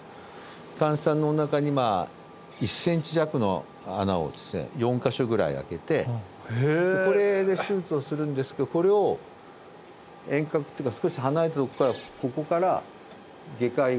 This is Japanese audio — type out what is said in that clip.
患者さんのおなかに１ｃｍ弱の穴をですね４か所ぐらい開けてこれで手術をするんですけどこれを遠隔っていうか少し離れたところからここから外科医がこちらを操作するってことですね。